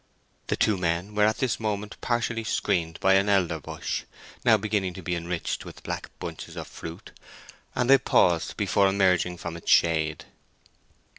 The two men were at this moment partially screened by an elder bush, now beginning to be enriched with black bunches of fruit, and they paused before emerging from its shade.